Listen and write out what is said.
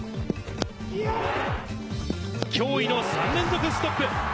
驚異の３連続ストップ。